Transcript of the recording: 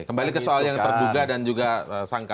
kembali ke soal yang terduga dan juga sangka